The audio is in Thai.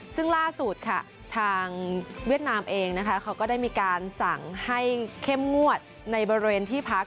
ซึ่งล่าสุดค่ะทางเวียดนามเองนะคะเขาก็ได้มีการสั่งให้เข้มงวดในบริเวณที่พัก